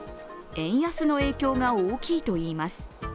円安の影響が大きいといいます。